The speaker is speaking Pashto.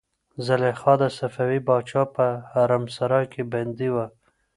زلیخا د صفوي پاچا په حرمسرای کې بندي وه.